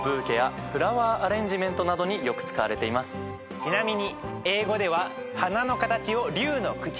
ちなみに。